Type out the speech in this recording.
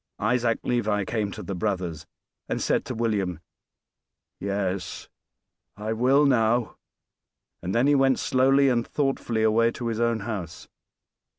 Isaac Levi came to the brothers, and said to William, "Yes, I will now," and then he went slowly and thoughtfully away to his own house.